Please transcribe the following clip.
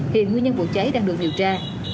hiện nguyên nhân vụ cháy đang được điều tra